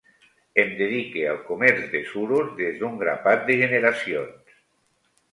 Em dedique al comerç de suros des d'un grapat de generacions.